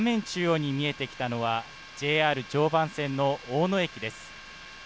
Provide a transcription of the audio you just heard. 中央に見えてきたのは、ＪＲ常磐線の大野駅です。